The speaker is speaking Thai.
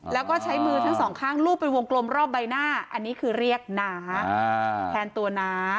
แล้วก็ใช้มือทั้งสองข้างลูบไปวงกลมรอบใบหน้าอันนี้คือเรียกน้าแทนตัวน้า